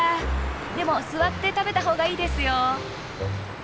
でも座って食べた方がいいですよ。